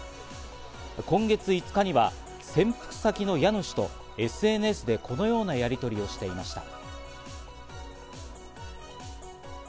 今月５日には潜伏先の家主とＳＮＳでこのようなやりとりをしていました。